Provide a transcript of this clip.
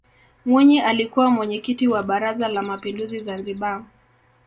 mwinyi alikuwa mwenyekiti wa baraza la mapinduzi zanzibar